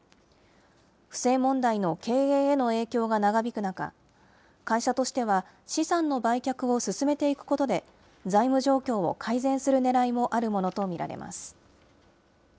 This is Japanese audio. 不正問題の経営への影響が長引く中、会社としては資産の売却を進めていくことで、財務状況を改善するねらいもあるものと見られます。